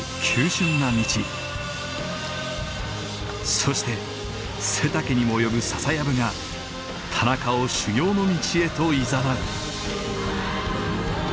そして背丈にも及ぶ笹やぶが田中を修行の道へといざなう。